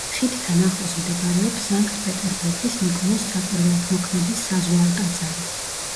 ხიდთან ახლოს მდებარეობს სანქტ-პეტერბურგის ნიკოლოზ საკვირველთმოქმედის საზღვაო ტაძარი.